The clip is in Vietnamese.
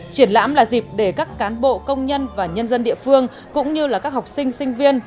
triển lãm là dịp để các cán bộ công nhân và nhân dân địa phương cũng như là các học sinh sinh viên